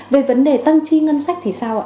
về vấn đề tăng chi ngân sách thì sao ạ